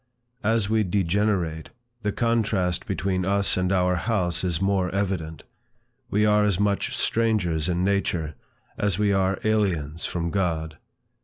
As we degenerate, the contrast between us and our house is more evident. We are as much strangers in nature, as we are aliens from God.